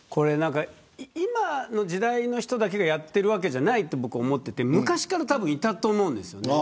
今の時代の人たちだけがやってるわけじゃないと思っていてたぶん昔からいたと思うんです。